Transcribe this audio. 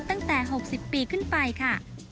ตั้งแต่๖๐ปีขึ้นไปค่ะ